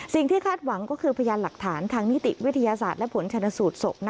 คาดหวังก็คือพยานหลักฐานทางนิติวิทยาศาสตร์และผลชนสูตรศพ